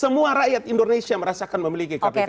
semua rakyat indonesia merasakan memiliki kpk